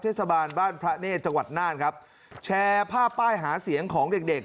เทศบาลบ้านพระเนธจังหวัดน่านครับแชร์ภาพป้ายหาเสียงของเด็กเด็ก